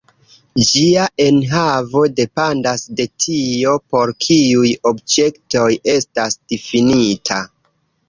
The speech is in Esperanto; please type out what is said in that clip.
Ĝia enhavo dependas de tio, por kiuj objektoj estas difinita.